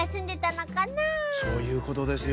そういうことですよ